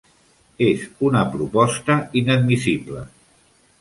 És una proposta inadmissible!